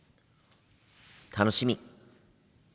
楽しみ！